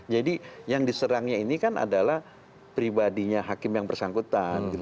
jadi yang diserangnya ini kan adalah pribadinya hakim yang bersangkutan